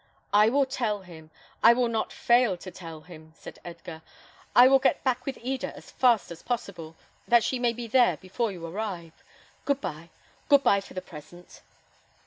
"I will tell him; I will not fail to tell him," said Edgar. "I will get back with Eda as fast as possible, that she may be there before you arrive. Good bye, good bye, for the present!"